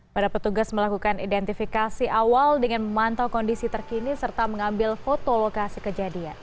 pada petugas melakukan identifikasi awal dengan memantau kondisi terkini serta mengambil foto lokasi kejadian